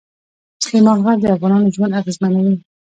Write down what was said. سلیمان غر د افغانانو ژوند اغېزمنوي.